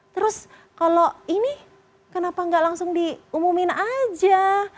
terus kalau ini kenapa gak langsung diumumin aja